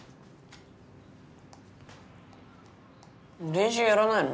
練習やらないの？